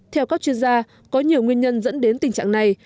theo các chuyên gia có nhiều nguyên nhân dẫn đến tình trạng này